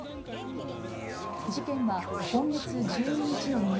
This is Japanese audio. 事件は今月１２日の未明